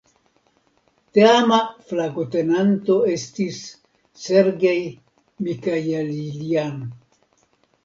Teama flagotenanto estis "Sergej Mikajeljan".